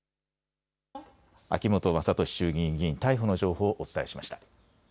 秋本真利衆議院議員逮捕の情報をお伝えしました。